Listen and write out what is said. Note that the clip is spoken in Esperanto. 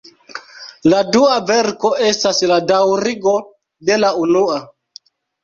La dua verko estas la daŭrigo de la unua.